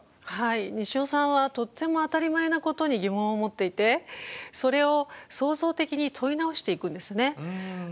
はい西尾さんはとっても当たり前なことに疑問を持っていてそれを創造的に問い直していくんですね。